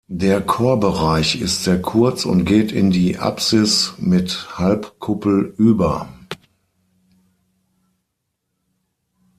Der Chorbereich ist sehr kurz und geht in die Apsis mit Halbkuppel über.